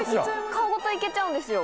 顔ごといけちゃうんですよ。